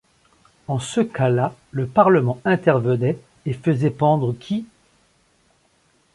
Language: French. En ce cas-là, le parlement intervenait, et faisait pendre, qui?